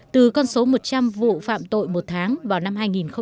từ con số một trăm linh vụ phạm tội một tháng vào năm hai nghìn tám